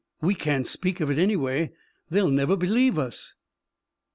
"We can't speak of it anyway. They'll never believe us."